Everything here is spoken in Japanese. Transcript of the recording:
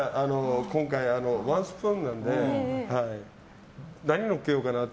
今回、ワンスプーンなので何をのっけようかなと。